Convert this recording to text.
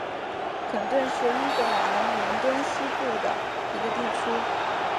肯顿是英格兰伦敦西北部的一个地区。